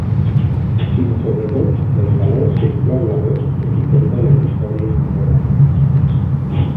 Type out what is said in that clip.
Sinó, sobretot, dels valors que inclou la veu de qui conta les històries relatades.